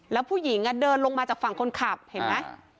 แล้วผู้หญิงเดินลงมาจากฝั่งคนขับเห็นไหม